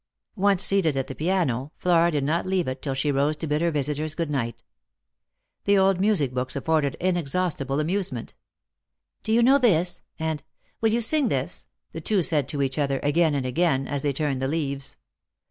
Once seated at the piano, Flora did not leave it till she rose to bid her visitors good night. The old music books afforded inexhaustible amusement. " Do you know this ?" and " Will you sing this ?" the two said to each other again and again as they turned the leaves.